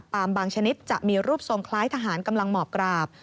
บางชนิดจะมีรูปทรงคล้ายทหารกำลังหมอบกราบ